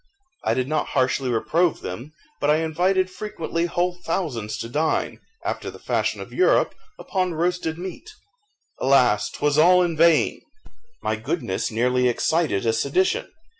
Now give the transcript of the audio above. I did not harshly reprove them, but I invited frequently whole thousands to dine, after the fashion of Europe, upon roasted meat. Alas, 'twas all in vain! my goodness nearly excited a sedition.